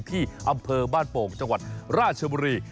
ที่อำเภอบ้านโป่งจังหวัดราชบุรี